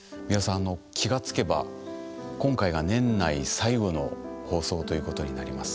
あの気が付けば今回が年内最後の放送ということになります。